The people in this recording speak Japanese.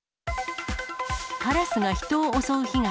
カラスが人を襲う被害。